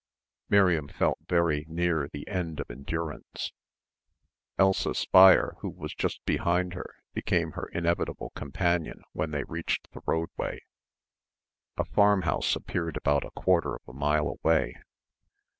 Miriam felt very near the end of endurance. Elsa Speier who was just behind her, became her inevitable companion when they reached the roadway. A farmhouse appeared about a quarter of a mile away.